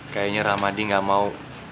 kayaknya rahmadi gak mau